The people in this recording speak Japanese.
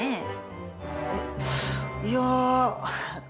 えっいや。